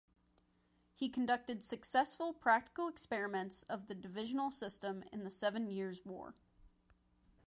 He conducted successful practical experiments of the divisional system in the Seven Years' War.